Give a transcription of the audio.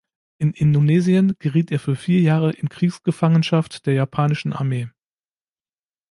In Indonesien geriet er für vier Jahre in Kriegsgefangenschaft der japanischen Armee.